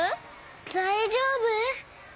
だいじょうぶ？